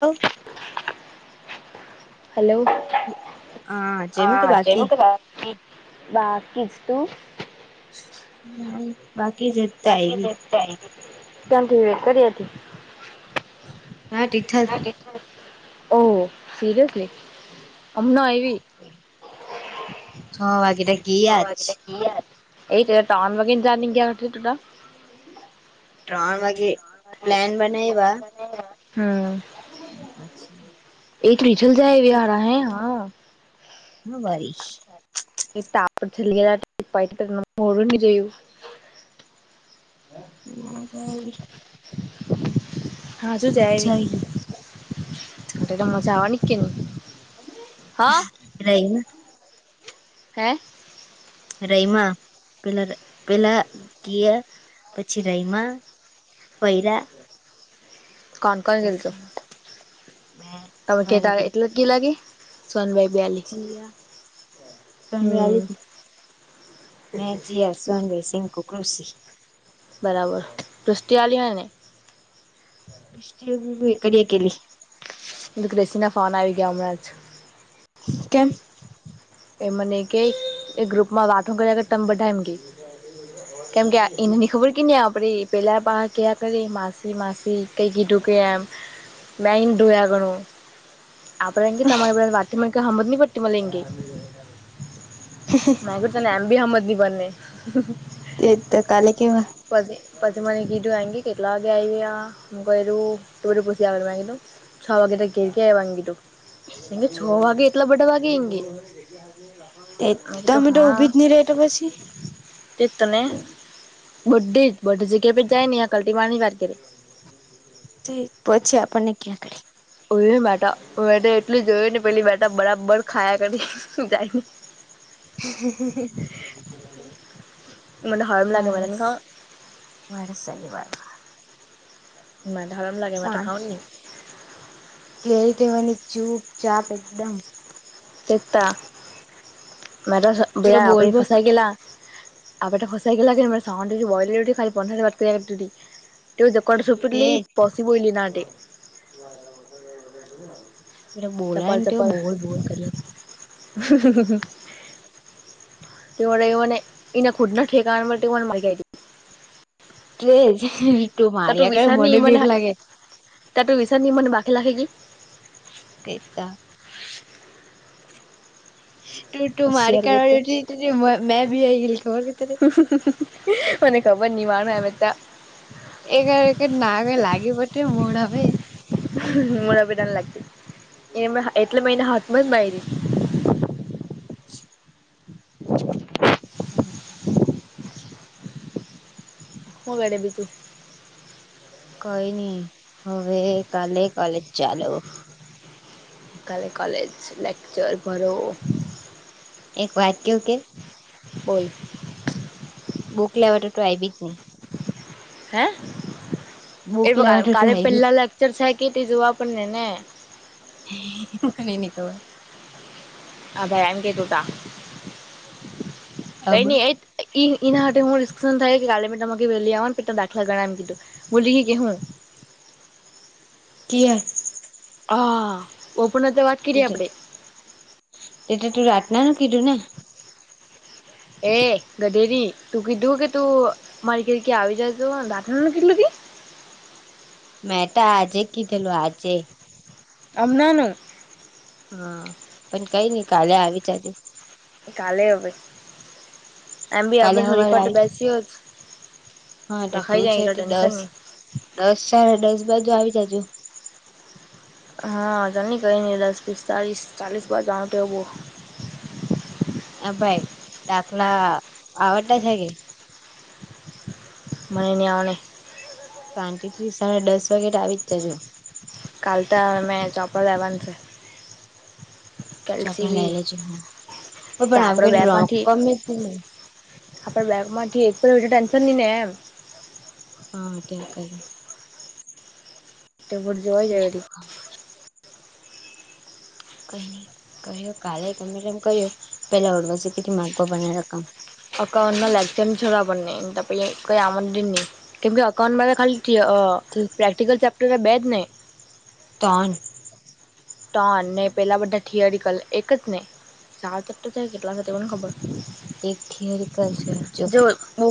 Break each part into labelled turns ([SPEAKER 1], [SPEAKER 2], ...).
[SPEAKER 1] Half.
[SPEAKER 2] Hello
[SPEAKER 1] હા જેમું કે
[SPEAKER 2] હા
[SPEAKER 1] બાકી
[SPEAKER 2] [unintelligible] બાકી જ તૂ
[SPEAKER 1] હમ્મ
[SPEAKER 2] કી ત્યાથી કરી હતી.
[SPEAKER 1] હા ટીઠલ
[SPEAKER 2] ઓહ સિરિયસલી હમણા આયવી
[SPEAKER 1] છો વાાગે રહી
[SPEAKER 2] [unintelligible]
[SPEAKER 1] ત્રણ વાગે પ્લાન બનાયવા
[SPEAKER 2] હમ્મ
[SPEAKER 1] પછી
[SPEAKER 2] [unintelligible]
[SPEAKER 1] હા બારીશ.
[SPEAKER 2] [unintelligible]
[SPEAKER 1] હ [unintelligible]
[SPEAKER 2] હજુંજ
[SPEAKER 1] મજા
[SPEAKER 2] આયવી
[SPEAKER 1] આવી
[SPEAKER 2] તે તો મજા આવાની કે ની હ
[SPEAKER 1] રહીને.
[SPEAKER 2] હે
[SPEAKER 1] રૈમા પેલા પેલા કયા પછી રયમાં. પોયરા
[SPEAKER 2] કોન કોણ ગલ
[SPEAKER 1] મે
[SPEAKER 2] તમે કે ત
[SPEAKER 1] સોનગીરી
[SPEAKER 2] એટલા જ ગી લાગી. સોનભાઈ બેલી
[SPEAKER 1] જીયા સોનવે
[SPEAKER 2] હમ્મ
[SPEAKER 1] જીશનવીર સિંહ ક કૃષિ.
[SPEAKER 2] બરાબર કૃષ્ટિવાલી હોય ને.
[SPEAKER 1] બિસ્ટ બી બ કરીડિયાકેલી.
[SPEAKER 2] એ ક્રેસી ના ફોન આવી ગયા હમણાંજ
[SPEAKER 1] કેમ.
[SPEAKER 2] એ મને કે એ ગ્રુપમાં વાતો કર્યા કર તમ બધા એમ કે. કેમ કે એનેની ખબર ક નં આપરી પહેલા બ ક કરે માસી માસી કઈકી કીધું એમ. મેઇન્ડોયા ઘણું. આપડે એમ કઈ વાત મા કાંઈ હમજ ની પડતી એમ કે મા તને એમ બી હમજ ની પડની
[SPEAKER 1] એ તો કાલે કેવા.
[SPEAKER 2] પછી પછી મને કીધું આ કે કેટલા વાગે આવી ગયા. [unintelligible] છ વાગે તો ધેર તી આવાનું કીધું એ છો વાગે એટલા બડડા વાગે એંમ કે [unintelligible]
[SPEAKER 1] એ
[SPEAKER 2] કીધું
[SPEAKER 1] તમે તો ઊભી જ ની રેટ પછી.
[SPEAKER 2] તે તો ને બડ્ે જ બધી જગ્યાએ જાય ન આ કલટી મારવા ની વાત કેરે.
[SPEAKER 1] [unintelligible] પછી આપણને ક્યાંક
[SPEAKER 2] ઓય મેટા મે એટલું જોયું ને પેલી બેટા બરાબર ખાયા કરી જાયને. [unintelligible]
[SPEAKER 1] [unintelligible]
[SPEAKER 2] મને હરમ લાગે મને ની ખાવા
[SPEAKER 1] [unintelligible] મારે શનિવાર.
[SPEAKER 2] મન તે હરમ લાગે મન ત
[SPEAKER 1] સાંજ
[SPEAKER 2] ખાવાનુ ની.
[SPEAKER 1] કેરી કેવાને ચૂપ ચાપ એકદમ.
[SPEAKER 2] એજતા મેટો બે
[SPEAKER 1] પેલો બોલ
[SPEAKER 2] આપડી
[SPEAKER 1] બોલ
[SPEAKER 2] ફસાઈ ગેલા. આપડાટ ખસાઈ ગયા લાગે સા બોલ ર ખાલી પંદર દ બાત કર લ. તેઓ જકોટ છોપટ
[SPEAKER 1] તેજ
[SPEAKER 2] લી પસી બોયલી ના.
[SPEAKER 1] જે બોલય
[SPEAKER 2] ચપલ
[SPEAKER 1] ત કે
[SPEAKER 2] ચપલ
[SPEAKER 1] બોલ બોલ કરીએ
[SPEAKER 2] [unintelligible] તે એને એને ખુદ ના ઠેકાવા માટે [unintelligible]
[SPEAKER 1] તેજ તું માારિયા કરે મને બીક લાગે.
[SPEAKER 2] ત્યા તો વિશેાની મને બાખ લાખેકી.
[SPEAKER 1] એતા. તું તું મારી [unintelligible]
[SPEAKER 2] હોશિયાર ગોતે
[SPEAKER 1] ખબર કે ત્યારે.
[SPEAKER 2] [unintelligible] મને ખબર નહ માણ એમે તા.
[SPEAKER 1] એગાર એકગ નાગ લાગ પટ મોળ ભાઈ.
[SPEAKER 2] મરાભ નાન લાગતી એમા એટલે મહિને હાથમાં જ માયરી.
[SPEAKER 1] [unintelligible]
[SPEAKER 2] [unintelligible]
[SPEAKER 1] [unintelligible]
[SPEAKER 2] હગાડે બીજુ?
[SPEAKER 1] કઈ નહી હવે કાલે કોલેજ ચાલ.
[SPEAKER 2] કલે કલેજ લેકચર ભરોો.
[SPEAKER 1] એક વાટ કેવ કે.
[SPEAKER 2] હોય.
[SPEAKER 1] બુક લેવા તોું આવીબી જ ન.
[SPEAKER 2] હે
[SPEAKER 1] બુક
[SPEAKER 2] એ
[SPEAKER 1] લેવા તો તું
[SPEAKER 2] કાલે
[SPEAKER 1] આયવી
[SPEAKER 2] પહેલા લેક્ચર છે કે તે જોવા પણ ને ને.
[SPEAKER 1] ની ન કવા.
[SPEAKER 2] હા ભાઈ એમ કે તટા
[SPEAKER 1] અબ
[SPEAKER 2] કઈ નહી એ. એના માટે હું રિસ્શન થાય કે કાલે મેં તમા વલી આવવાનું પ ત દાખલા ગણ એમ કીધું હું લીી કે હું.
[SPEAKER 1] કે.
[SPEAKER 2] [unintelligible] ઓપ તો વા
[SPEAKER 1] ત ત તો તું રાતનાનું કીધું ને.
[SPEAKER 2] એ ગઢેરી તું કીધું કે તું મારી ઘ ક્યાં આવી જજ દાખ નથીલું.
[SPEAKER 1] મેટા આજે કઘલું આજે.
[SPEAKER 2] અમના ની
[SPEAKER 1] હા પણ કઈ નઈ કાલે આવી જજુ.
[SPEAKER 2] કાલે હવે એમ બી
[SPEAKER 1] કાલે
[SPEAKER 2] આપણે થોડીક
[SPEAKER 1] હવારે
[SPEAKER 2] વા
[SPEAKER 1] આવી
[SPEAKER 2] બેસીએ
[SPEAKER 1] હા તો
[SPEAKER 2] લખાઈ
[SPEAKER 1] તું
[SPEAKER 2] જાય
[SPEAKER 1] છે
[SPEAKER 2] એ તો
[SPEAKER 1] તે
[SPEAKER 2] ટેન્શન
[SPEAKER 1] દસ
[SPEAKER 2] નહીં.
[SPEAKER 1] દસ સડા દસ બાજુ આવી જાજો.
[SPEAKER 2] હાઆ ચાલની કઈ ન દસ પિસ્તાલીસ ચાલીસ બાઉ બહ
[SPEAKER 1] હ ભાઈ ડાખલા આવડતા છે કે?
[SPEAKER 2] મને ની આવળે.
[SPEAKER 1] શાંતિ થી સાડા દસ વાગે આવી જ જહે.
[SPEAKER 2] કાલતા મેં ચોપા લેવન છે. કેલ્સી
[SPEAKER 1] ચપડા લઈ
[SPEAKER 2] બી
[SPEAKER 1] ને જ હુ
[SPEAKER 2] તો
[SPEAKER 1] પણ આપ
[SPEAKER 2] આપડે
[SPEAKER 1] રોક [unintelligible]
[SPEAKER 2] આપણે બેગ માંથી એક ટેન્શન ન એમ
[SPEAKER 1] હા
[SPEAKER 2] એર જોવાય જાય વડી
[SPEAKER 1] કઈ [unintelligible]
[SPEAKER 2] [unintelligible] કેમ કે અકાઉન્ટમાં ખાલી થ અ
[SPEAKER 1] ઠી
[SPEAKER 2] પ્રેક્ટિકલ ચેપ્ટર બેદ ને
[SPEAKER 1] તન.
[SPEAKER 2] ટનને પેલા થીયરીકલ એક જ ને ચાર ચટું થાય કેટલા થને ખબર
[SPEAKER 1] એક થિયરિકલ છે જો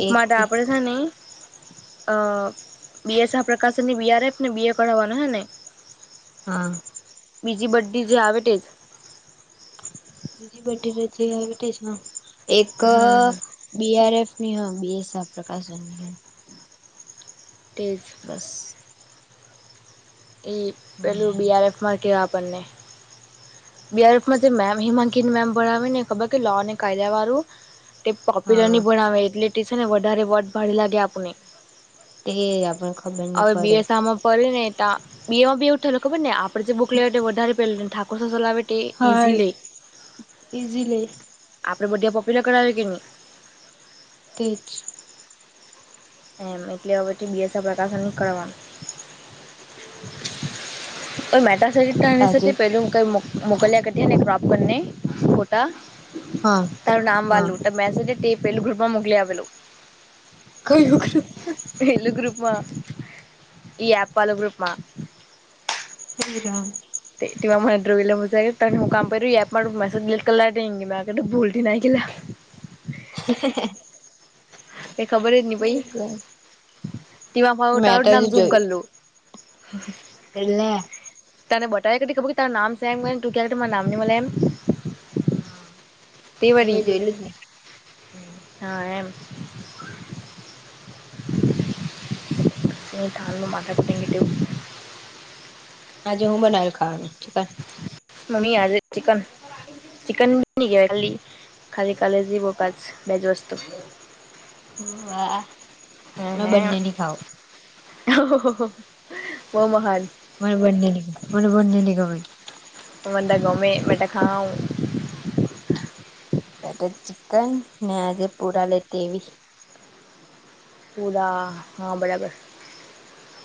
[SPEAKER 1] એક
[SPEAKER 2] હા નહી બીએસ આા પ્રકાશનની બીઆર એફ ને બી એ કરાવવાનો હે હીં
[SPEAKER 1] હા
[SPEAKER 2] બીજી બધી જે આવે તે જ
[SPEAKER 1] બીજી બધી રચ એ છે એક
[SPEAKER 2] હમ
[SPEAKER 1] બીઆરફની હા બીએસ પ્રકાશનની
[SPEAKER 2] તેજ
[SPEAKER 1] બસ
[SPEAKER 2] એ પેલું બીઆરએફમાં કહેવા આપણને બીઆરફમાં મેમ હિમાંકીની મેમ ભણાવી ને ખબર લો ને કાયદા વાળું તે પોપ્યુલર
[SPEAKER 1] હા
[SPEAKER 2] નહીં ભણાવે એટલે તે છે ને વધારે વોટ ભાડે લાગે આપને
[SPEAKER 1] તે આપણ ખબર નહી
[SPEAKER 2] હવે
[SPEAKER 1] પડે
[SPEAKER 2] બીએસમાં પ ને ત બે માં બે એવું થેું ખબર ને આપડ જે બુક લેવા વધારે પે ઠાકોર સલાવે તે
[SPEAKER 1] હા
[SPEAKER 2] ઈઝીલીઈ
[SPEAKER 1] ઈઝીલી
[SPEAKER 2] આપડે બધા પોપ્યુલર કરાવી કે નહી
[SPEAKER 1] કે જ
[SPEAKER 2] એમ એટલે વવેતે બીએસ પ્રકાશન કરવાનું.
[SPEAKER 1] આજે
[SPEAKER 2] [unintelligible]
[SPEAKER 1] હા
[SPEAKER 2] તારું નામ
[SPEAKER 1] હા
[SPEAKER 2] વાલું મેસેજ તે પેલું ગ્રુપમાં મોકલી આવેલું.
[SPEAKER 1] [unintelligible]
[SPEAKER 2] એલુ ગ્રૂપમાં એ આપાલ ગ્રૂપમાં
[SPEAKER 1] [inaudible]
[SPEAKER 2] તેવા મનેુંલે મજ તને હું કામ કર એપમાં મ મેસેજિલીટ કરલાંગ મે આ બ ભલ લા
[SPEAKER 1] [inaudible]
[SPEAKER 2] એ ખબર જ નની પાઈ તે
[SPEAKER 1] મેં
[SPEAKER 2] તારું
[SPEAKER 1] તો
[SPEAKER 2] જ નામ
[SPEAKER 1] હજી
[SPEAKER 2] ઝૂમ કરલું હા
[SPEAKER 1] એલે
[SPEAKER 2] તને બતારે કા કબ કે તાર નામ સહેને તું ક ત તમાર નમ નિ મળ લમ
[SPEAKER 1] હા
[SPEAKER 2] તે વડી
[SPEAKER 1] મેં જોયેલું જ ને આજે
[SPEAKER 2] હા એમ [unintelligible]
[SPEAKER 1] આજે હું બનાવી ખાવાનું ઠીક
[SPEAKER 2] મ્મી આજે ચિકન ચિકન બ નની ગ ખાલી ખાલી કાલેજી પાચ બેજ વસ્તુ....
[SPEAKER 1] હ વા.
[SPEAKER 2] [unintelligible]
[SPEAKER 1] મને બંને ની ગમે
[SPEAKER 2] [unintelligible]
[SPEAKER 1] બેટા ચિકન ને આજે પુરા લેતી એવી.
[SPEAKER 2] પૂરા હા બરાબર.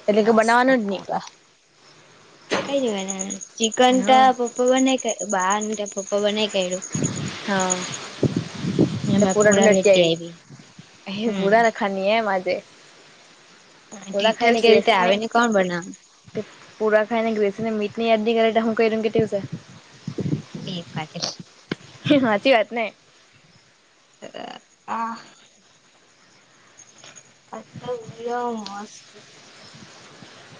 [SPEAKER 2] એટલે કે
[SPEAKER 1] મસ્ત
[SPEAKER 2] બનાવાનું જ
[SPEAKER 1] પુરા કઈ જવા ન ચિકન
[SPEAKER 2] નહી હા
[SPEAKER 1] પપ્પાને બાર ને કે પપ્પા બને કર્યો.
[SPEAKER 2] પૂરાટુ લટ આવી અહી પૂરા
[SPEAKER 1] હમ
[SPEAKER 2] રખાની એ માજે.
[SPEAKER 1] તીઠલ કેલતે આવે ને કોણ બનાવ.
[SPEAKER 2] તે પૂરા ખાઈ ને ગ્રેસી ને મીઠ, ની યાદદી કરે ટ હું કું કે દિવસે.
[SPEAKER 1] એક પા. [unintelligible]
[SPEAKER 2] સાચી વાત ને.
[SPEAKER 1] હ. અ ઉ મસ્ત.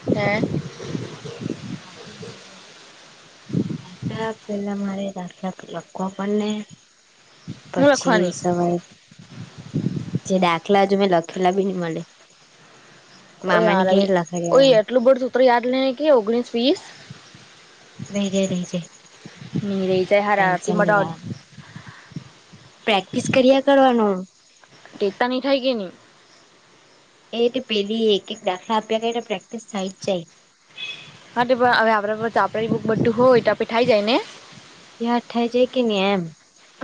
[SPEAKER 2] હમ.
[SPEAKER 1] બાફી છે. આટા પેલા મારે રાક લખવા પણને.
[SPEAKER 2] હું
[SPEAKER 1] પછી
[SPEAKER 2] લખવાની
[SPEAKER 1] સવાય જે દાખલા જ મેં લખેલા બી ન મળે.
[SPEAKER 2] ઓ
[SPEAKER 1] મામાને
[SPEAKER 2] યાર
[SPEAKER 1] ઘેર
[SPEAKER 2] ઓ
[SPEAKER 1] લખાડ્યા
[SPEAKER 2] એટલું બડું સૂત્ર યાદ લે કે ઓગણીસ વીસ.
[SPEAKER 1] રહી જાય રહી જાય
[SPEAKER 2] ની ર તો હેરા રાતી
[SPEAKER 1] ટેન્શન નહી
[SPEAKER 2] મડા.
[SPEAKER 1] લેવાનું પ્રેક્ટિસ કર્યા કરવાનું.
[SPEAKER 2] [unintelligible]
[SPEAKER 1] એ એટ પેલી એક એક દાખલા આપ્યા એ પ્રેક્ટસ થઈ જ જાય.
[SPEAKER 2] હા પણ હવે આપ આપ બુક બધું હોય તો આપે થાઈ જાય ને.
[SPEAKER 1] આઠાય છે કે ન એમ.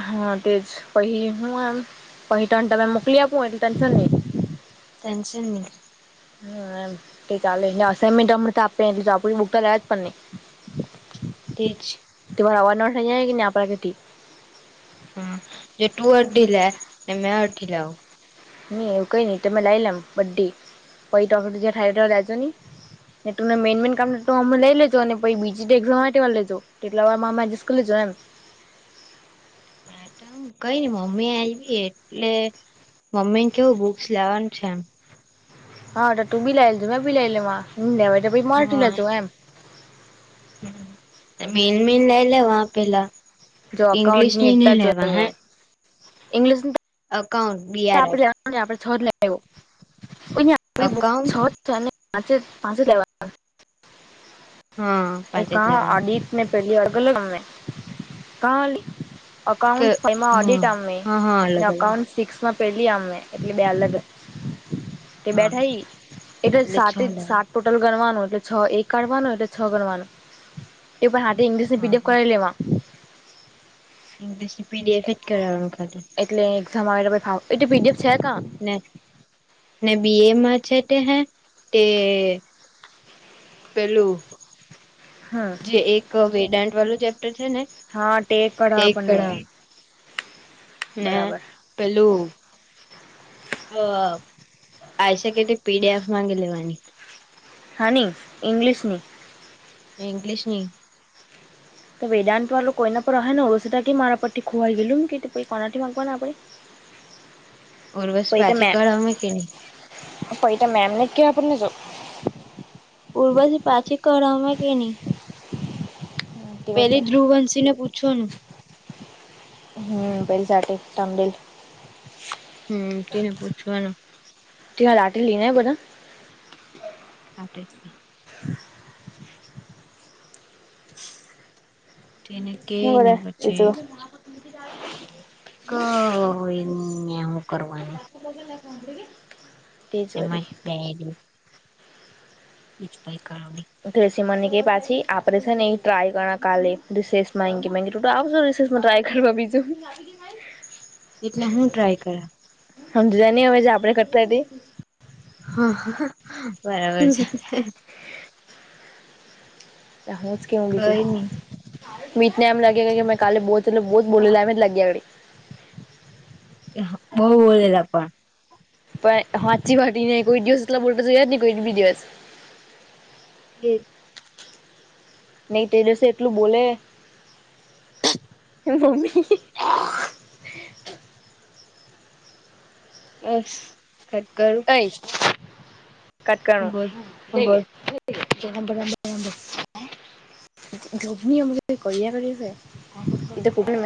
[SPEAKER 2] હા તે જ પહી હુંમ પહી ત તમે મોકલી આપું એટલે ટેન્શન નહી.
[SPEAKER 1] ટેન્શન નહી.
[SPEAKER 2] હ એમ એ ચાલેને અઇનમેન્ટ અમ તો આપે એટલે તો આપ બુકતા લ્યા જ પણ નઈ. [inaudible]
[SPEAKER 1] ઠીક છે.
[SPEAKER 2] ત રવાના થાય કે નને આપ પણાથી.
[SPEAKER 1] હા જે તું અઢદી લે એને મે અઢદી લેઆવ.
[SPEAKER 2] નહી એવું કઈ નહી તમે લાવ લેમ બંધી પહી ટો ફેય ટ લજો નહીં. તને મેન મેન કામ ને તો અમે લઈ લેજો અને પછી બીજી એક્ઝામ માટે વાળ લેજો એટલા વારમાં અમે એડજસ્ટ કરી લેજો એમ.
[SPEAKER 1] મેટ હ કઈ નને મમ્મી આવી એટલે. મમ્મીને કેવું બુક્સ લેવાનું છે એમ.
[SPEAKER 2] હા તું બિલાઈ લધું બિલાઈ લે હ લેવા માર
[SPEAKER 1] હા
[SPEAKER 2] લધું એમ.
[SPEAKER 1] મેન મેન લઈ લેવા પેલા
[SPEAKER 2] જો
[SPEAKER 1] ઈંગ્લિશ
[SPEAKER 2] અકાઉન્ટની
[SPEAKER 1] ની
[SPEAKER 2] એકતા
[SPEAKER 1] નઈ લેવા હે.
[SPEAKER 2] જોઈએ ઇંગ્લિશ ની તો.
[SPEAKER 1] Account BR F.
[SPEAKER 2] આપડે છત લે આવ કો [unintelligible]
[SPEAKER 1] અકાઉન્ટ
[SPEAKER 2] છત. તો એને પાંચે પાંચ લેવા.
[SPEAKER 1] હા
[SPEAKER 2] એ
[SPEAKER 1] પાંચ જ લેવાનું
[SPEAKER 2] આડિતને પહેલી અર્ગલગ કા.
[SPEAKER 1] કે
[SPEAKER 2] અકાઉન્ટ ફ એમાં
[SPEAKER 1] હ હા હા
[SPEAKER 2] ઓડિટમેં અ
[SPEAKER 1] અલગ અલગ
[SPEAKER 2] અકાઉન્ટ્સ. સિક્સમાં પેલી આમમે એટલે બે અલગ. તે
[SPEAKER 1] હા
[SPEAKER 2] બેઠા એટલે
[SPEAKER 1] છ
[SPEAKER 2] સાત જ
[SPEAKER 1] લેવાનું
[SPEAKER 2] સાત ટોટલ ગણવાનું એટલે છ એક કાઢવાનું એટલે છ ગણવાનું. એ પણ હા ઈંગ્લિશ ની
[SPEAKER 1] હા
[SPEAKER 2] પડીએફ
[SPEAKER 1] હા
[SPEAKER 2] કરીવ લેવા.
[SPEAKER 1] ઇંગ્લિશથી પીડીએફ જ કરાવ ખાતો.
[SPEAKER 2] એટલે એક્ઝામ આવે એટે ફાવ એ તો પીડીએફ છે ક.
[SPEAKER 1] ના ના બી એ મા છટ હે તે. પેલું.
[SPEAKER 2] હા.
[SPEAKER 1] જે એક વેદાંત વાળું ચેપ્ટર છે ને
[SPEAKER 2] હા
[SPEAKER 1] તે
[SPEAKER 2] કઢાવ
[SPEAKER 1] એક
[SPEAKER 2] આપણને
[SPEAKER 1] [unintelligible] ને
[SPEAKER 2] બરાબર
[SPEAKER 1] પેલું હ આવી શકે તે પીડીએફ માંગે લેવાની
[SPEAKER 2] હા ની ઇંગલિશ ની
[SPEAKER 1] ઇંગલિશ ની
[SPEAKER 2] તો વેદાંત વાળું કોઈના પર રહે ને ઓળસ કે મારા પરથી ખોવાઈ ગયું કે કોનાથી માંગવાના આપડે [inaudible]
[SPEAKER 1] ઓરવસ પાછી કળમ કે ન
[SPEAKER 2] ફરિતા મેમને કે આપણને જો
[SPEAKER 1] ઉર્વશી પાછી કરહવે કે ની
[SPEAKER 2] તેઓ છે
[SPEAKER 1] પેલી ધ્રુવંશી ને પૂછો
[SPEAKER 2] હમ્મ પલી સાથે તમબિલ
[SPEAKER 1] હમ્મ તેને પૂછુંવાનું
[SPEAKER 2] ત્યા [unintelligible] બધા
[SPEAKER 1] [unintelligible] તેની
[SPEAKER 2] હુ કરે બીજું
[SPEAKER 1] કયની ની હું કરવાની
[SPEAKER 2] [unintelligible] તે જોરી
[SPEAKER 1] આમજ બેહેલી બીજું કાંઈ કરોની
[SPEAKER 2] [unintelligible] મને કે પાછી આપરે છે ને એ ટ્રાય કર કાલે [unintelligible] તો આવશો રિસેમાં ટ્રાય કરવા બીજું
[SPEAKER 1] એટલે હું ટ્રાય કર
[SPEAKER 2] સમજધાય નહી હવે જે આપડે કરતા તે
[SPEAKER 1] હા બરાબર છે
[SPEAKER 2] [unintelligible] બીજું
[SPEAKER 1] કઈ નઈ
[SPEAKER 2] મીટને એમ લાગે કે મેં કાલે બુ એટલે બહુ જ બોલીલા એમ જ લાગી આગડી
[SPEAKER 1] બહુ બિલેલા પણ
[SPEAKER 2] પણ સાાચી વાટી ને કોઈ દિવસ એટલા બોલ જોયા ને કોઈ બી દિવસ
[SPEAKER 1] એ
[SPEAKER 2] નહી તે દિવસે એટલું બોલે મમ્મી
[SPEAKER 1] બસ કટ કરું
[SPEAKER 2] કટ કરન
[SPEAKER 1] બોલ
[SPEAKER 2] [unintelligible]